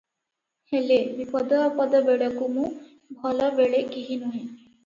ହେଲେ, ବିପଦ ଆପଦ ବେଳକୁ ମୁଁ --ଭଲବେଳେ କେହିନୁହେଁ ।